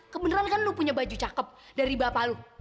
kebeneran kan lo punya baju cakep dari bapak lo